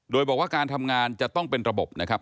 โดยบอกว่าการทำงานจะต้องเป็นระบบนะครับ